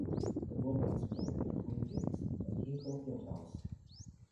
The Bulldogs played their home games at Hinkle Fieldhouse.